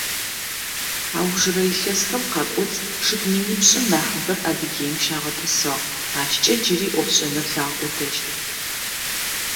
Аужырэ илъэсхэм къакӏоцӏ чъыг минипшӏым нахьыбэр Адыгеим щагъэтӏысыгъ, ащкӏэ джыри ӏофшӏэныр лъагъэкӏотэщт.